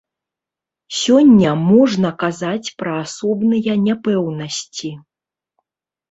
Сёння можна казаць пра асобныя няпэўнасці.